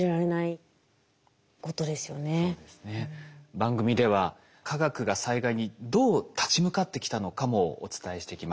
番組では科学が災害にどう立ち向かってきたのかもお伝えしてきました。